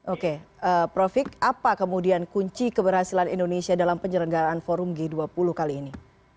oke profik apa kemudian kunci keberhasilan indonesia dalam penyelenggaraan forum g dua puluh kali ini